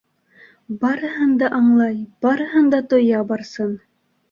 Барыһын да аңлай, барыһын да тоя Барсын.